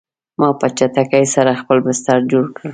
ما په چټکۍ سره خپل بستر جوړ کړ